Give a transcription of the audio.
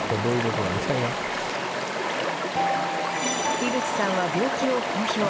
樋口さんは病気を公表。